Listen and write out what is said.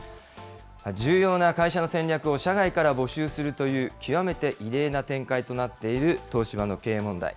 重要な会社の戦略を社外から募集するという極めて異例な展開となっている東芝の経営問題。